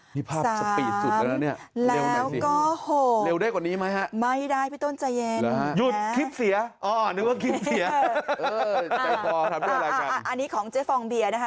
นี่ภาพสปีดจุดแล้วนะเนี่ย